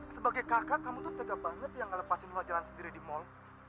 sebagai kakak kamu tuh tega banget yang gak lepasin luar jalan sendiri di mall